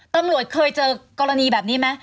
ตำรวจเคยเจอกรณีแบบนี้ไหม